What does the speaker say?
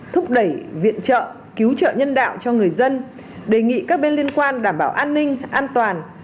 thúc đẩy viện trợ cứu trợ nhân đạo cho người dân đề nghị các bên liên quan đảm bảo an ninh an toàn